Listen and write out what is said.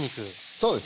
そうですね。